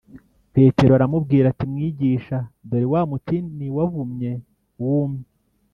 petero aramubwira ati, ‘mwigisha, dore wa mutini wavumye wumye